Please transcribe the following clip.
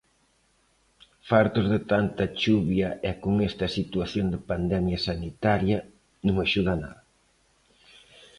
Fartos de tanta chuvia e con esta situación de pandemia sanitaria, non axuda nada.